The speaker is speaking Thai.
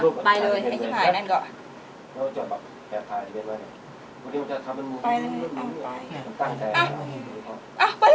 นั่นเนี่ยมักกระเป็นมักกระเป็น